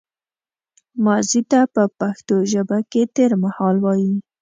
ماضي ته په پښتو ژبه کې تېرمهال وايي